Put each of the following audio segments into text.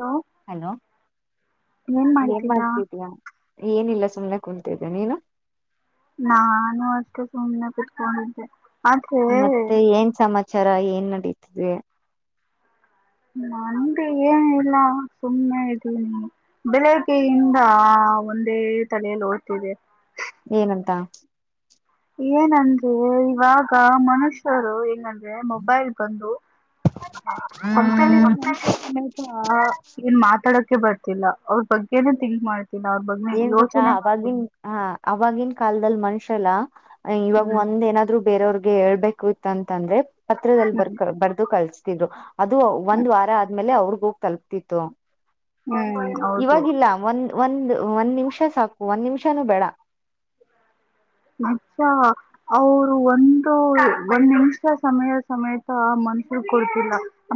Hello hello ಏನ್ ಮಾಡ್ತಿದೀ ಯಾ ಏನಿಲ್ಲ ಸುಮ್ನೆ ಕುಂತಿದ್ದೆ ನೀನು ನಾನು ಅಷ್ಟ ಸುಮ್ನೆ ಕೂತ್ಕೊಂಡಿದೆ ಮತ್ತೆ ಏನ್ ಸಮಾಚಾರ ಏನ್ ನಡೀತಿದ್ವಿ ನಂದಿ ಏನ ಇಿಲ್ಲ ಸುಮ್ಮನೆ ಇದ್ದೀನಿ ಬೆಳಿಗ್ಗೆಯಿಂದ ನ ಒಂದೇ ತಲೆಯಲ್ಲಿ ಓದ್ತಿದೆ ಏನಂತ ಏನಂದ್ರೆ ಇವಾಗ ಮನುಷ್ಯರು ಹೆಂಗಂದ್ರೆ ಮೊಬೈಲ್ ಬಂದು ಅಂಕಲ್ ಗೆ ಮಂಚೆ ಸಮೇತ ಏನ್ ಮಾತಾಡ ಬರ್ತಿಲ್ಲಾ ಅವ್ರ ಬಗ್ಗೆನೆ ತಿಂಗ್ ಮಾಡ್ ಏನ್ ಗೊತ್ತಾ ಅವವಾಗಿನ ಹ ಅವವಾಗಿನ ಕಾಲದಲ್ಲಿ ಮನುಷ್ಯ ಎಲ್ಲ ಇವಾಗ ಹ್ಮ್ ಒಂದ್ ಏನಾದ್ರು ಬೇರೆಯವ್ರಿಗೆ ಹೇಳ್ಬೇಕು ಇತ್ತಂತ ಆದ್ರೆ ಅಂದ್ರೆ ಪತ್ರದಲ್ಲಿ ಬರ್ ಹ್ಮ್ ಬರ್ದು ಕಳಿಸತಿದ್ರು ಅದು ಒಂದ್ ವಾರ ಆದ್ಮೇಲೆ ಅವ್ರ ಹೋಗ ತಲುಪ್ತಿತ್ತು ಹ್ಮ್ ಹ್ಮ್ ಹೌದು ಇವಾಗಿಲ್ಲ ಒಂದ ಒಂದು ಒಂದ್ ನಿಮಿಷ ಸಾಕು ಒಂದ್ ನಿಮಿಷಾನೂ ಬೇಡ ಅಕ್ಕ ಅವ್ರು ಒಂದು ಒಂದ್ ನಿಮಿಷ ಸಮಯ ಸಮೇತ ಮನ್ಸ ಕೊಡ್ತಿಲ್ಲ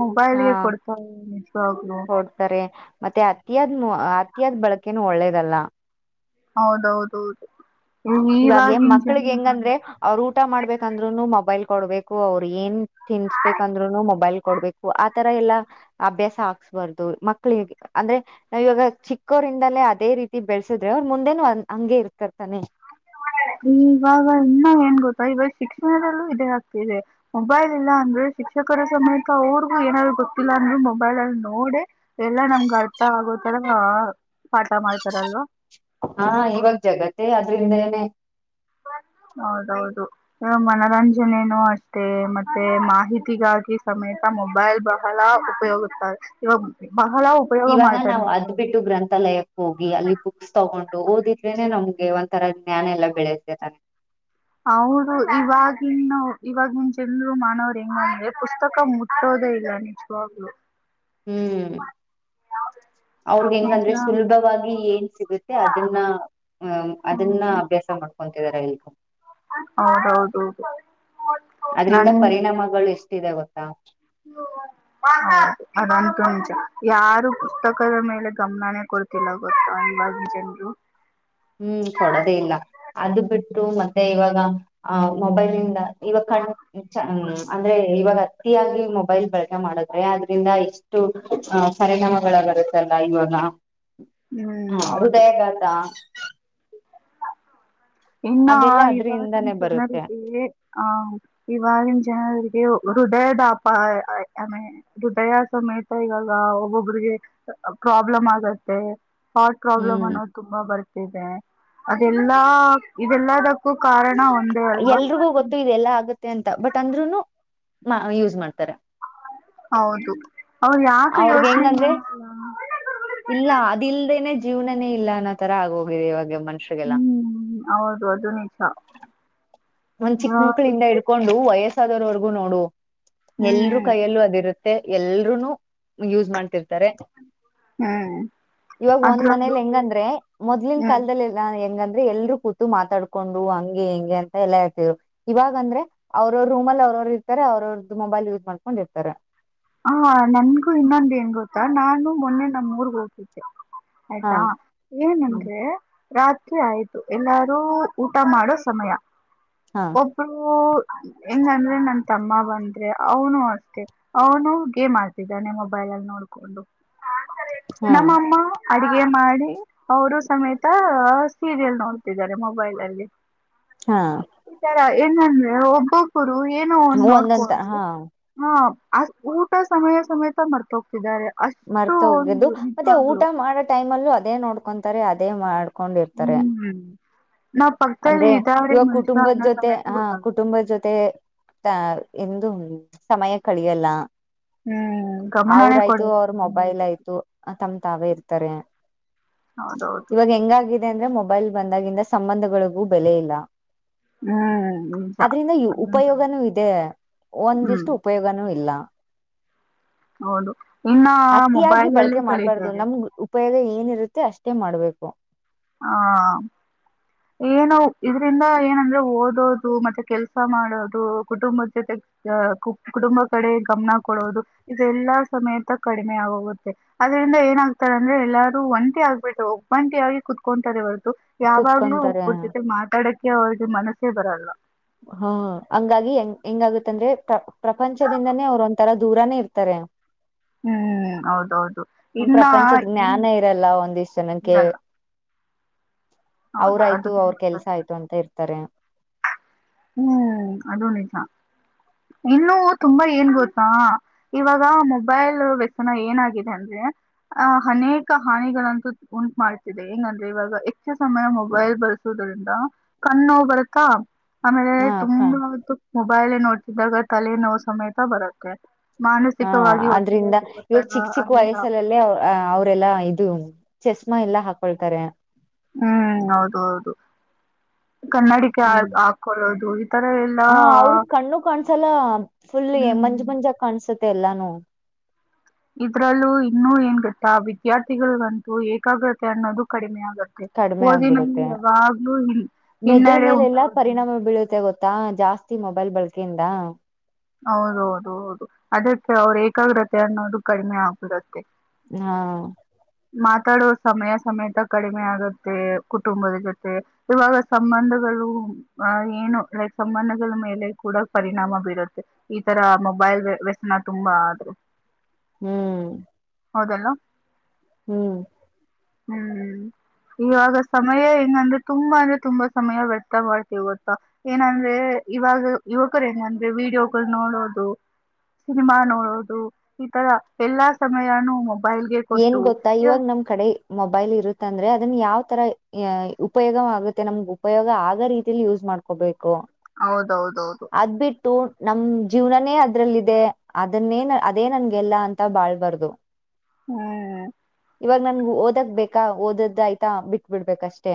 ಮೊಬೈಲ್ ಹಾ ಗೆ ಕೊಡ್ತ ನಿಜವಾಗ್ಲಲು ಕೊಡ್ತಾರೆ ಮತ್ತೆ ಅತಿಯಾದ್ ಅತಿಯಾದ್ ಬಳಕೆನು ಒಳ್ಳೇದಲ್ಲ ಹೌದೌದೌದು ಇವಾಗ ಇವಾಗಿನ್ ಮಕ್ಳಿಗೆ ಜನ ಹೆಂಗಂದ್ರೆ ಅವರು ಊಟ ಮಾಡ್ಬೇಕಂದ್ರುನು ಮೊಬೈಲ್ ಕೊಡ್ಬೇಕು ಅವ್ರ ಏನ್ ತಿನ್ಸ್ಬೇಕಂದ್ರರು ಮೊಬೈಲ್ ಕೊಡ್ಬೇಕು ಆತರ ಎಲ್ಲಾ ಅಭ್ಯಾಸ ಹಾಕ್ಸ್ಬಾರ್ದು ಮಕ್ಕಳಿಗೆ ಅಂದ್ರೆ ನಾವ ಇವಾಗ ಚಿಕ್ಕವ ್ರಂದಲೇ ಅದೇ ರೀತಿ ಬೆಳೆಸಿದ್ರೆ ಅವ್ರು ಮುಂದೆನು ಹಂಗಗೆ ಇರ್ತರ್ತಾನೆ ಇವಾಗ ಇನ್ನ ಏನ್ ಗೊತ್ತಾ ಇವಾಗ ಶಿಕ್ಷಣದಲ್ಲೂ ಇದೇ ಆಗ್ತಿದೆ ಮೊಬೈಲ್ ಇಲ್ಲಾ ಅಂದ್ರೆ ಶಿಕ್ಷಕರ ಸಮೇತ ಅವ್ರಿಗೂ ಏನಾದ್ರು ಗೊತ್ತಿಲ್ಲ ಅಂದ್ರೆ ಮೊಬೈಲ್ ಅಲ್ಲಿ ನೋಡಿ ಎಲ್ಲಾ ನಮ್ಗ ಅರ್ಥ ಆಗುತ್ತ ಎ ಪಾಠ ಮಾಡ್ತಾರಲ್ವಾ ಹಾ ಇವಾಗ ಜಗತ್ತೇ ಅದ್ರಿಂದ ಏನೆೇ ಹೌದೌದು ಮನರಂಜನೆನೂ ಅಷ್ಟೇ ಮತ್ತೆ ಮಾಹಿತಿಗಾಗಿ ಸಮೇ ಮೊಬೈಲ್ ಬಹಳ ಉಪಯೋಗ ಇವಾಗ ಬಹಳ ಉಪಯೋಗ ಇವಾಗ ಮಾಡ್ತಾರೆ ನಾವ್ ಅದ್ ನಿಜವಾಗಿ ಬಿಟ್ಟು ಗ್ರಂಥಾಲಯಕ್ ಹೋಗಿ ಅಲ್ಲಿ ಬುಕ್ಸ್ ತಗೊಂಡ ಓದಿದ್ರೆನೆ ನಮ್ಗೆ ಒಂಥರ ಜ್ಞಾನ ಎಲ್ಲಾ ಬೆಳೆತೇ ತಾನೆ ಅವರು ಇವಾಗಿವಾಗಿನ ಇವಾಗಿನ್ ಜನರು ಮಾಡವರು ಹೆಂಗಂದ್ರೆ ಪುಸ್ತಕ ಮುಟ್ಟೋ ಅ ಇದ ನಿಜವಾಗ್ಲು ಹೂ ಅವ್ರಗ್ ನಿಜ ಹೆಂಗಂದ್ರೆ ಸುಲಭವಾಗಿ ಏನ್ ಸಿಗುತ್ತೆ ಅದನ್ನ ಅದನ್ನ ಹ್ಮ್ ಅಭ್ಯಾಸ ಮಾಡ ಕುಂತಿದಿದ್ದಾರೆ ಹೌದೌದೌದು ಅದ್ರಿಂದ ಪರಿಣಾಮಗಳು ಎಷ್ಟಿದೆ ಗೊತ್ತಾ ಹ ಅದಂತು ಉಂಚ ಯಾರು ಪುಸ್ತಕದ ಮೇಲೆ ಗಮನನೇ ಕೊಡ್ತಿಲ್ಲ ಗೊತ್ತು ಇವಾಗ ಜನರು ಹೂ ಕೊಡದೇ ಇಲ್ಲ ಅದು ಬಿಟ್ಟು ಮತ್ತೆ ಇವಾಗ ಆ ಮೊಬೈಲ್ಂದ ಇವ ಅಂದ್ರೆ ಇವಾಗ ಅತಿಯಾಗಿ ಮೊಬೈಲ್ ಬಳಕೆ ಮಾಡದ್ರೆ ಆದದ್ರಿಂದ ಇಷ್ಟು ಹ ಪರಿಣಾಮಗಳ ಬರುತ್ತಲ್ಲ ಇವಾಗ ಹ್ಮ್ ಹ ಹೌದು ಹೃದಯಾಘಾತ ಇನ್ನ ಅದೆಲ್ಲ ಇವಾಗಿನ ಅದ್ರಿಂದಾನೇ ಬರುತ್ತೆ ಜನರಿಗೆ ಆ ಇವಾಗಿನ ಜನರಿಗ್ ಹೃದಯದಪ್ಪಾ ಆಮೇ ಹೃದಯ ಸಮೇತ ಈಗಾಗ ಒಬ್ಬೊಬ್ರಿಗೆ. ಪ್ರಾಬ್ಲಮ್ ಆಗತ್ತೆ. ಹಾರ್ಟ್ ಪ್ರಾಬ್ಲಮ್ ಹ್ಮ್ ಅನ್ನೋದು ತುಂಬಾ ಬರ್ತಿದೆ ಅದೆಲ್ಲಾ ಇದೆಲ್ಲಕ್ಕು ಕಾರಣ ಒಂದೇ ಅಲ್ವಾ. ಎಲ್ರಿಗೂ ಗೊತ್ತು ಇದೆಲ್ಲಾ ಆಗುತ್ತೆ ಅಂತ ಬಟ್ ಅಂದ್ರುನು ಯೂಸ್ ಮಾಡ್ತಾರೆ. ಹೌದು ಅವ್ರು ಯಾಕೆ ಅವ್ರಗ ಯೋಚನೆ ಹೆಂಗಂದ್ರೆ ಮಾಡಲ್ಲ ಇಲ್ಲ ಅದ ಇಲ್ದೇನೆ ಜೀವನೇ ಇಲ್ಲ ಅನ್ನೋ ತರ ಆಗ ಹೋಗಿದೆ ಇವಾಗ ಮನುಷ್ಯರಿಗೆಲ್ಲ. ಹ್ಮ ಹೌದು ಅದು ನಿಜ. ಒಂದ್ ಚಿಕ್ಕ ಇವಾಗ ಮಕ್ಳಿಂದ ವಿಶೇಷ- ಇಡ್ಕೊಂಡು ವಯಸ್ಸಾದೋರ್ವರ್ಗೂ ನೋಡು ಎಲ್ರೂ ಹ್ಮ್ ಕೈಯಲ್ಲೂ ಅದಿರುತ್ತೆ. ಮೆ ಎಲ್ರುೂ ಯೂಸ್ ಮಾಡ್ತಿರ್ತಾರೆ. ಹ್ಮ್ ಇವಾಗ ಒಂದ್ ಅದ್ರಲ್ಲೂ ಮನೇಲಿ ಹೆಂಗಂದ್ರೆ ಮೊದ್ಲಿನ ಹ್ಮ್ ಕಾಲದಲ್ಲಿಲ್ಲ ಹೆಂಗಂದ ಅದೇ ಎಲ್ರೂ ಕೂತು ಮಾತಾಡ್ಕೊಂಡು ಹಂಗೆ ಹೆಂಗೆ ಅ ಎಲ್ಲ ಇರ್ತರು ಇವಾಗ ಅಂದ್ರೆ ಅವ್ರ ರೂಮಲ್ಲಿ ಅವ್ರವರು ಇರ್ತಾರೆ ಅವ್ರ ಅವ್ರದ್ದ ಮೊಬೈಲ್ ಯೂಸ್ ಮಾಡ್ಕೊಂಡಿರ್ತಾರೆ. ಹಾ ನನ್ಗೂ ಇನ್ನೊಂದ ಏನ್ ಗೊತ್ತಾ ನಾನು ಮೊನ್ನೆ ನಮ್ ಊರ್ಗ್ ಹೋಗ್ತಿದ್ದೆ. ಹಾ ಆಯ್ತಾ ಏನ್ ಹ್ಮ್ ಅಂದ್ರೇ ರಾತ್ರಿ ಆಯ್ತು ಎಲ್ಲಾರೂ ಊಟ ಮಾಡೋ ಸಮಯ. ಹಾ ಒಬ್ರು ಹೆಂಗ ಅಂದ್ರೆ ನಂತ ತಮ್ಮ ಬಂದ್ರೆ ಅವನು ಅಷ್ಟೇ ಅವನು ಗೇಮ್ ಆಡ್ತಿದ್ದಾನೆ ಮೊಬೈಲ್ ಅಲ್ಲಿ ನೋಡ್ಕೊಂಡು. ಹಾ ನಮ್ಮಮ್ಮ ಅಡಗೆ ಮಾಡಿ ಅವರು ಸಮೇತ ಸೀರಿಯಲ್ ನೋಡ್ತಿದ್ದಾರೆ ಮೊಬೈಲ್ ಅಲ್ಲಿ. ಹಾ ಈ ತರ ಏನಂದ್ರೆ ಒಬ್ಬೊಬ್ಬರು ಏನು ಒಂದು ಒಂದಂತ ನೋಡ್ಕೊಂಡು ಹಾ ಹ ಅ ಊಟ ಸಮಯ ಸಮೇತ ಮರ್ತ ಹೋಗ್ತಿದ್ದಾರೆ. ಮರ್ತ ಹೋಗಿದ್ದು ಮತ್ತೆ ಊಟ ಮಾಡ ಟೈಮ್ ಅಲ್ಲೂ ಅದೇ ನೋಡ್ಕೊಂತಾರೆ ಅದೇ ಮಾಡ ಕೊಂಡಿರ್ತಾರೆ ಹ್ಮ್ ನಾವ್ ಪಕ್ಕದಲ್ಲಿ ಅಂದ್ರೆ ಇದಾರೆ ಇವಾಗ ಮನುಷ್ಯ ಕುಟುಂಬದ ಅನ್ನೋ ಜೊತೆ ಸಮೇತ ಹಾ ಗೊತ್ತಾಗಲ್ಲ ಕುಟುಂಬದ ಜೊತೆ. ಆ ಎಂದ ಸಮಯ ಕಳಿಯಲ್ಲಾ. ಹ್ಮ್ ಗಮನನೇ ಅವ್ರಯ್ತು ಕೊಡಲ್ಲ ಅವ್ರ ಕುಟುಂಬದ ಮೊಬೈಲ್ ಬಗ್ಗೆ. ಆಯ್ತು ತಮ್ ತಾವೇ ಇರ್ತಾರೆ. ಹೌದೌದು ಅ ಅಂದ್ರೆ ಮೊಬೈಲ್ ಬಂದಾಗಿಂದ ಸಂಬಂಧಗಳಿಗೂ ಬೆಲೆ ಇಲ್ಲ. ಹ್ಮ ಅದ್ರಿಂದ ಉಪಯೋಗನೂ ಇದೆ ಹ್ಮ್ ಒಂದಿಷ್ಟು ಉಪಯೋಗನೂ ಇಲ್ಲ. ಹೌದು ಇನ್ನ ಅತಿಯಾಗಿ ಮೊಬೈಲ್ ಅಲ್ಲಿ ಬಳಕೆ ಮಾಡ್ಬಾರ್ದು ಕಲಿತಾರೆ. ನಮ್ಗ್ ಉಪಯೋಗ ಏನಿರುತ್ತೆ ಅಷ್ಟೇ ಮಾಡ್ಬೇಕು. ಹಾ ಏನೋ ಇದರಿಂದ ಏನಂದ್ರ. ಓದೋದು ಮತ್ತೆ ಕೆಲಸ ಮಾಡೋದು ಕುಟುಂಬದ ಜೊತೆ ಕುಟುಂಬ ಕಡೆ ಗಮ್ನ. ಕೊಡುದು ಇದು ಎಲ್ಲಾ ಸಮೇತ ಕಡಿಮೆ ಆಗೋಗುತ್ತೆ ಅದ್ರಂದ ಏನಾಗ್ತಾರೆ ಅಂದ್ರೆ ಎಲ್ಲಾರೂ ಒಂದ್ ಆಗ್ಬಟ್ಟು ಒಗ್ಬಂಟಿ ಆಗಿ ಕುತ್ಕೊಂತಾರೆವಗ್ ಯಾವಾಗ್ಲೂ ಕುೂತ್ಕೊಂತಾರೆ ಒಬ್ರು ಜೊತೆ ಮಾತಾಡಕ್ಕೆ ಅವ್ರಿಗೆ ಮನಸೇ ಬರಲ್ಲ. ಹಾ ಹಂಗಾಗಿ ಹೆಂಗ ಹೆಂಗಾಗತ್ತಂದ್ರೆ. ಪ್ರ ಪ್ರಪಂಚದಿಂದನೇ ಅವ್ರು ಒಂಥರ ದೂರಾನೇ ಇರ್ತಾರೆ. ಹ್ಮ್ ಹ್ಮ್ ಹೌದೌದು ಇನ್ನ ಪ್ರಪಂಚದ ಈ ಜ್ಞಾನ ಇರಲ್ಲ ಒಂದಿಷ್ಟ್ ಜನಕ್ಕೆ ಇರಲ್ಲ. ಹೌದು ಅದು ಅವ್ರಾಯ್ತು ಅವ್ರ ತುಂಬಾ ಕೆಲ್ಸ ಸತ್ಯ. ಆಯ್ತು ಅಂತ ಇರ್ತಾರೆ. ಹ್ಮ್ ಅದು ನಿಜ. ಇನ್ನು ತುಂಬಾ ಏನ್ ಗೊತ್ತಾ ಇವಾಗ ಮೊಬೈಲ್ ವ್ಯಸನ ಏನಾಗಿದೆ ಅಂದ್ರೆ. ಅ ಅನೇಕ ಹಾನಿಗಳಂತೂ ಉಂಟು ಮಾಡ್ತಿದೆ ಹೆಂಗಂದ್ರೆ ಇವಾಗ ಹೆಚ್ಚು ಸಮಯ ಮೊಬೈಲ್ ಬಳಸೋುದ್ರಿಂದ ಕಣ್ಣು ನಾವೂ ಬರುತ್ತಾ ಆಮೇಲೆ ಹ ತುಂಬ ವಟು ಮೊಬೈಲ್ ನೋಡ್ತಿದ್ದಾಗ ತಲೆ ನೋ ಸಮೇತ ಬರುತ್ತೆ ಹಾ ಮಾನಸಿಕವಾಗಿ ಒತ್ತಡ ಆದ್ರಿಂದ ಇವಾಗ ಒತ್ತಡ ಚಿಕ್ಕ ಚಿಕ್ಕ ಅದೆಲ್ಲ ವಯಸ್ಸಲ್ಲಲ್ಲೇ ಅ ಅವ್ರೆಲ್ಲ ಇದು ಚಸ್ಮಾ ಎಲ್ಲಾ ಹಾಕೊಳ್ತಾರೆ ಹ್ಮ್ ಹೌದು ಹೌದು ಕನ್ನಡಿಿಕ ಹ ಆ ಹಾಕೊಳ್ಳದು ಆ ತರ ಎಲ್ಲಾ ಒಂದ್ಸಲ ಫುಲ್ ಹ್ಮ್ ಮಂಜು ಮಂಜಾಗ ಕಾಣ್ಸುತ್ತೆ ಎಲ್ಲಾನು ಇದ್ರಲ್ಲೂ ಇನ್ನುೂ ಏನ್ ಗತ್ತಾ ವಿದ್ಯಾರ್ಥಿಗಳಗಂತೂ ಏಕಾಗ್ರತೆ ಅನ್ನೋದು ಕಡಿಮೆ ಆಗುತ್ತೆ ತ್ತೆ ಓದಿನಲ್ಲಿ ಯಾವಾಗ್ಲೂ ಇಲ್ಲಿ ಮೆದ್ರ ಮೇಲೆಲ್ಲಾ ಪರಿಣಾಮ ಬೀಳುತ್ತೆ ಗೊತ್ತಾ ಜಾಸ್ತಿ ಮೊಬೈಲ್ ಬಳಕೆಯಿಂದ ಹೌದು ಹೌದು ಹೌದು ಅದಕ್ಕೆ ಅವ್ರ ಏಕಾಗ್ರತೆ ಅನ್ನೋದು ಕಡಿಮೆ ಆಗ್ಬಿಡತ್ತೆ ಹಾ ಮಾತಾಡುವ ಸಮಯ ಸಮೇತ ಕಡಿಮೆ ಆಗುತ್ತೆ ಕುಟುಂಬದ ಜೊತೆ ಇವಾಗ ಸಂಬಂಧಗಳು [unintelligible] ಏನು ಲೈಕ್ ಸಂಬಂಧಗಳ ಮೇಲೆ ಕೂಡ ಪರಿಣಾಮ ಬೀರುತ್ತೆ ಈ ತರ ಮೊಬೈಲ್ ಇದು ವ್ಯಸನ ತುಂಬಾ ಆದ್ರರು ಹ್ಮ್ ಹೌದಲ್ಲ ಹ್ಮ್ ಹ್ಮ್ ಹ್ಮ್ ಇವಾಗ ಸಮಯ ಹೆಂಗಂದ್ರೆ ತುಂಬಾ ಅಂದ್ರೆ ತುಂಬಾ ಸಮಯ ವ್ಯರ್ಥ ಮಾಡ್ತೀವಿ ಗೊತ್ತಾ ಏನಂದ್ರೆ ಇವಾಗ ಯುವಕರು ಹೆಂಗ ಅಂದ್ರೆ ವಿೀಡಿಯೋಗಳು ನೋಡೋದು ಸಿನಿಮಾ ನೋಡೋದು ಈ ತರ ಎಲ್ಲಾ ಸಮಯಾನೂ ಮೊಬೈಲ್ಗೆ ಏನ್ ಕೊಟ್ಟು ಗೊತ್ತಾ ಇವಾಗ ನಮ್ ಕಡೆ ಮೊಬೈಲ್ ಇರುತ್ತೆಂದ್ರೆ ಅದನ್ ಯಾವ್ ತರ ಉಪಯೋಗ ಆಗುತ್ತೆ ನಮ್ಗೆ ಉಪಯೋಗ ಆಗ ರೀತಲಿ ಯೂಸ್ ಮಾಡ್ಕೋಬೇಕು ಹೌದೌದೌದು ಕು----ಅದ್ ಬಿಟ್ಟು ನಮ ಜೀವನನೇ ಅದ್ರಲ್ಲಿದೆ ಅದನ್ನೇ ಅದೇ ನನ್ಗೆಲ್ಲ ಅಂತ ಬಾಳ್ಬಾರ್ದದು ಹ್ಮ್ ಇವಾಗ ನನ್ ಓದಕ್ ಬೇಕಾ ಓದದ ಆಯ್ತಾ ಬಿಟ್ ಬಿಡ್ಬೇಕಷ್ಟೇ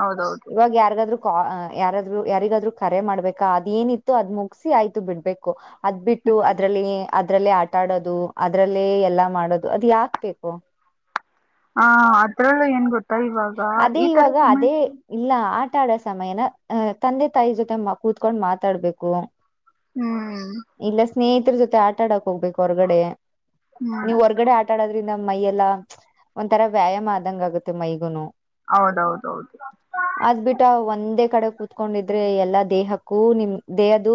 ಹೌದೌದು ಇವಾಗ ಯಾರಿಗಾದರು ಕಾಲ್ ಹಾ ಯಾರಾದ್ರು ಯಾರಿಗಾದರೂ ಕರೆ ಮಾಡ್ಬೇಕಾ ಅದ ಏನಿತ್ತು ಅದ್ ಮುಗಸಿ ಆಯ್ತು ಬಿಡ್ಬೇಕು ಅದ್ ಬಿಟ್ಟು ಅದ್ರಲ್ಲಿ ಅದ್ರಲ್ಲೇ ಆಟ ಆಡೋದು ಅದ್ರಲ್ಲೇ ಎಲ್ಲ ಮಾಡೋದು ಅದ ಯಾಕ್ಬೇಕು ಹ ಅದ್ರಲ್ಲೂ ಏನ್ ಗೊತ್ತ ಅದೇ ಇವಾಗ ಅದೇ ಇಲ್ಲ ಹಾ ಮಾತಾಡ ಸಮಯನ ಹ ತಂದೆ ತಾಯಿ ಜೊತೆ ಕೂತ್ಕೊಂಡ್ ಮಾತಾಡ್ಬೇಕು ಹ್ಮ್ ಇಲ್ಲ ಸ್ನೇಹಿತರ ಜೊತೆ ಆಟಾಡಕ್ ಹೋಗ್ಬೇಕು ಹೊರ್ಗಡೆ ಹ್ಮ್ ನೀವು್ ಹೊರ್ಗಡೆ ಆಟಾಡೋದ್ರಿಂದ ಮೈಯೆಲ್ಲಾ ಒಂಂತರಾ ವ್ಯಾಯಾಮ ಆದಂಗ ಆಗುತ್ತೆ ಮೈಗುನು ಹೌದೌದೌದು ಅದ್ ಬಿಿಟ್ಟ ಒಂದೇ ಕಡೆ ಕುತ್ಕೊಂಡಿದ್ರೆ ಎಲ್ಲಾ ದೇಹಕ್ಕೂ ನಿಮ್ ದೇಹದ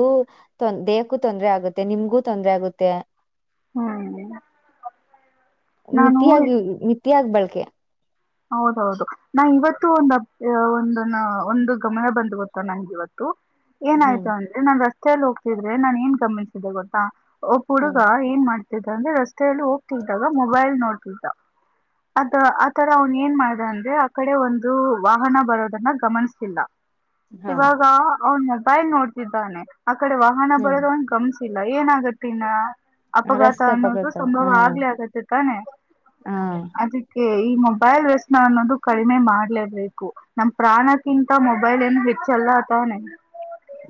ದೇಹ ತೊಂದ್ರರೆ ಆಗುತ್ತೆ ನಿಮ್ಗೂ ತೊಂದ್ರರೆ ಆಗುತ್ತೆ ಹಾ [unintelligible] ಮಿತಿಯಾಗಿ ಮಿತಿಯಾಗ ಬಳಕೆ ಹೌದೌದು ನಾ ಇವತ್ತು ಒಂದು ಒಂದ ನ ಒಂದು ಗಮನ ಬಂದ್ ಗೊತ್ತಾ ನಂಗೆ ಇವತ್ತು ಹ್ಮ್ ಏನಾಯ್ತು ಅಂದ್ರೆ ನಾನ್ ರಸ್ತೆಯಲ್ಲಿ ಹೋಗ್ತಿದ್ರೆ ನಾನ್ ಏನ್ ಗಮಿಸಿದೆೆ ಗೊತ್ತಾ ಒಬ್ಬ ಹುಡುಗ ಹ್ಮ್ ಏನ್ ಮಾಡ್ತ ಅಂದ್ರೆ ರಸ್ತೆಯಲ್ಲಿ ಹೋಗ್ತಿದ್ದಾಗ ಮೊಬೈಲ್ ನೋಡ್ತಿದ್ದ ಅದ ಆತ್ರಾ ಅವ್ನ್ ಏನ್ ಮಾಡ್ದ ಅಂದ್ರೆ ಆ ಕಡೆ ಒಂದು ವಾಹನ ಬರೋದನ್ನ ಗಮನ್ತಿಲ್ಲ ಹಾ ಇವಾಗ ಅವ ಮೊಬೈಲ್ ನೋಡ್ತಿದ್ದಾನೆ ಆ ಕಡೆ ವಾಹನ ಹ್ಮ್ ಬರೋದ ಒಂದ ಗಮ್ ಇಲ್ಲ ಏನಾಗತ್ತಿನ [unintelligible] ಅಪಘಾತ ರಸ್ತೆ ಅನ್ನೋದು ಅಪಘಾತ ಸಂಭವ ಹ್ಮ್ ಆಗ್ಲಿ ಆಗತ್ತೆ ತಾನೆ. ಹಾ ಅದಕ್ಕೆ ಈ ಮಮ್ಮ- ಮೊಬೈಲ್ ವ್ಯಸನ ಅನ್ನೋದು ಕಡಿಮೆ ಮಾಡ್ಲೇಬೇಕು. ನಮ್ ಪ್ರಾಣಕ್ಕಿಂತ ಮೊಬೈಲ್ ಏನು ಹೆಚ್ಚಲ್ಲ. ಹ [inaudible]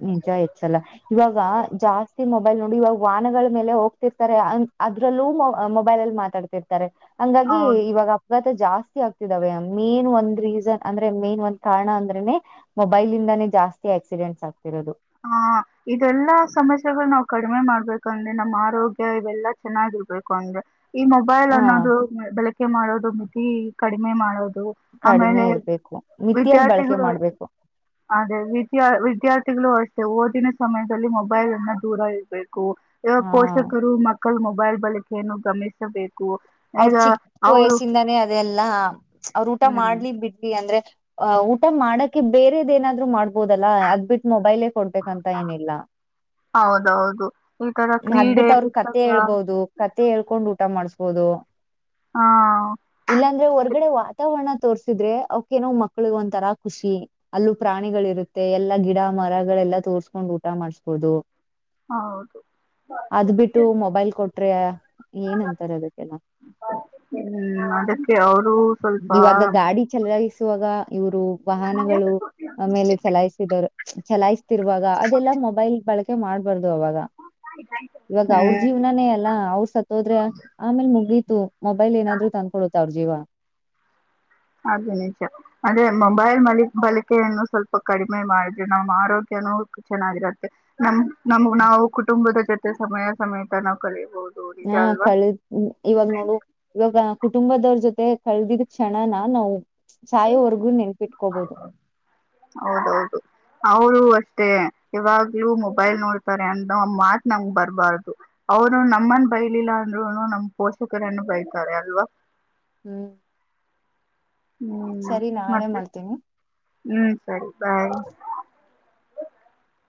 ನಿಜ ಹೆಚ್ಚಲ್ಲ ಇವಾಗ ಜಾಸ್ತಿ ಮೊಬೈಲ್ ನೋಡಿ ಇವಾಗ ವಾಹನಗಳ ಮೇಲೆ ಹೋಗ್ತಿರ್ತಾರೆ. ಅದ್ರಲ್ಲೂ ಮೊಬೈಲ್ ಅಲ್ಲಿ ಮಾತಾಡ್ತಿರ್ತಾರೆ ಹಂಗಾಗಿ ಹೌದು ಇವಾಗ ಅಪಘಾತ ಜಾಸ್ತಿ ಜಾಸ್ ಆಗ್ತಿದಾವೆ. ಮೇನ್ ಒಂದ್ ರೀಸನ್ ಅಂದ್ರೆ ಮೇನ್ ಒಂದ್ ಕಾರಣ ಅಂದ್ರೆನೆ ಮೊಬೈಲಿಂದಾನೇ ಜಾಸ್ತಿ ಆಕ್ಸಿಡೆಂಟ್ ಹಾ, ಇದೆಲ್ಲಾ ಸಮಸ್ಯೆಗಳು ನಾವ- ಕಡಿಮೆ ಮಾಡ್ಬೇಕಂದ್ರೆ ನಮ್ಮ್ ಆರೋಗ್ಯ ಇವೆಲ್ಲಾ ಚೆನ್ನಾಗಿರ್ಬೇಕು ಅಂದ್ರೆ ಈ ಮೊಬೈಲ್ ಹ ಅನ್ನೋದು ಬಳಕೆ ಮಾಡೋದು ಮಿತಿ ಕಡಿಮೆ ಮಾಡೋದು. - ಕಡಿಮೆ ಆಮೇಲೆ ಇರ್ಬೇಕು ಮಿತಿಯಲ್ಲಿ ಬಳಕೆ ವಿದ್ಯಾರ್ಥಿಗಳು. [unintelligible] ಮಾಡ್ಬೇಕು ಅದೇ ವಿದ್ಯಾದ್ಯಾರ್ಥ ಗಳು ಅಷ್ಟೇ ಓದಿನ ಸಮಯದಲ್ಲಿ ಮೊಬೈಲ್ನಿಂದ ದೂರ ಇರಬೇಕು. ಹಾ ಪೋಷಕರು ಮಕ್ಕಳ ಮೊಬೈಲ್ ಬಳಕೆಯನ್ನು ಗಮನಿಸಬೇಕು. ಅವ್ರ ಈಗ ಚಿಕ್ಕ ಅವರು ವಯಸ್ಸಿಂದಾನೇ ಅದೆಲ್ಲ ಅವ್ರ ಊಟ ಹ್ಮ್ ಮಾಡ್ಲಿ ಬಿಡ್ಲಿ ಅಂದ್ರೆ, - ಆ ಊಟ ಮಾಡಕೆ ಬೇರೆದ ಎ ನಾದ್ರು ಮಾಡ್ಬೋದಲ್ಲಾ ಅದ್ಬಿಟ್ಟು ಮೊಬೈಲ್ ಕೊಡ್ಬೇಕಂತ ಏನಿಲ್ಲ. ಹೌದೌದು ಈ ತರ - ಕ್ರೀಡೆ ಅದಬಿಟ್ಟ ಅವ್ರ ಕತೆ ಪುಸ್ತಕ ಹೇಳ್ಬೋದು. ಕತೆ ಹೇಳ್ಕೊಂಡು ಊಟ ಮಾಡಿಸಬೋದು ಹಾ ಇಲ್ಲಾಂದ್ರೆ ಹೊರಗಡೆ ವಾತಾವರಣ ತೋರ್ರಿಸಿದ್ರೆ ಅವ್ಕ ಏನೋ ಮಕ್ಳಿಗೆಒಂತರ ಖುಷಿ ಅಲ್ಲೂ ಪ್ರಾಣಿಗಳು ಇರುತ್ತೆ. ಎಲ್ಲಾ ಗಿಡ ಮರಗಳ- ಎಲ್ಲ ತೋರ್ಸ್ಕೊಂಡ್ ಊಟ ಮಾಡಸಬಹುದು. ಹೌದು ಅದ್ ಬಿಟ್ಟು ಮೊಬೈಲ್ ಕೊಟ್ರೆ ಏನಂತಾರೆ ಅದಕ್ಕೆಲ್ಲ ಹ್ಮ್, ಅದಕ್ಕೆ ಅವರು ಸ್ವಲ್ಪ- ವಾಗ ಇವರು ವಾಹನಗಳು ಮೇಲೆ ಚಲಾಯ್ಸಿದರು ಚಲಾಯಿಸತಿರುವಾಗ ಅದೆಲ್ಲಾ ಮೊಬೈಲ್ ಬಳಕೆ ಮಾಡ್ಬಾರ್ದು. ಅವಾಗ, ಇವಾಗ ಅವ್ರ ಹ್ಮ್ ಜೀವನಾನೇ ಅಲ್ಲ ಅವ್ರ ಸತ್ತೋದ್ರೆ ಆಮೇಲೆ ಮುಗತ. - ಮೊಬೈಲ್ ಏನಾದ್ರರು ತಂದ್ಕೊಡುತ್ತಾವ್ರ ಜೀವಾ. - ಅದು ನಿಜ. ಅಂದ್ರೆ ಮೊಬೈಲ್ ಬಳಿಕೆಯನ್ನು ಸ್ವಲ್ಪ ಕಡಿಮೆ ಮಾಡಿದ್ರೆ ನಮ್ಮ್ ಆರೋಗ್ಯ- ಚೆನ್ನಾಗಿರುತ್ತೆ. ನಮ್ ನಮ್ ನಾವು ಕುಟುಂಬದ ಜೊತೆ ಸಮಯ ಸಮೇತ ನಾವು ಕಳಿಯಬಹುದು. ಹಾ, ಕಳ ಇವಾಗ ನೋಡು ಇವಾಗ ಕುಟುಂಬದವ್ರ ಜೊತೆ ಕಳ್ದಿದ ಕ್ಷಣನ ನಾವು ಸಾಯವರ್ಗೂ ನೆನಪಿಟ್ಕೋಬಹುದು. - ಹೌದೌದು ಇವು ಮೊಬೈಲ್ ನೋಡ್ತಾರೆ ಅನ್ನೋ ಮಾತ ನಮಗ್ ಬರಬಾರದು. ಅವ್ರು ನಮ್ಮನ್ ಬೈಲಿಲ್ಲ ಅಂದ್ರು ನಮ್ಮ ಪೋಷಕರನ್ನು ಬೈತಾರೆ ಅಲ್ವಾ. ಹ್ಮ್, ಹ್ಮ್, ಸರಿ ನಾಳೆ ಮತ್ತೆ ಮಾಡ್ತೀನಿ. ಹ್ಮ್ ಸರಿ ಬಾಯ್